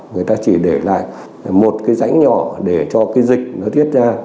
người ta chỉ để lại một cái rãnh nhỏ để cho cái dịch nó thiết ra